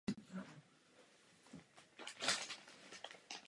Obchodní podmínky i ceny pro uživatele karet zůstaly stejné.